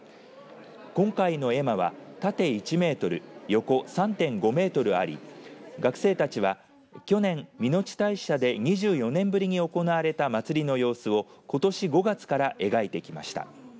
今回の絵馬は縦１メートル横３．５メートルあり学生たちは去年、水内大社で２４年ぶりに行われた祭りの様子をことし５月から描いてきました。